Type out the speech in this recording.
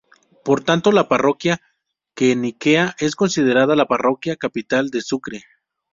Por tanto, la Parroquia Queniquea es considerada la Parroquia Capital de Sucre.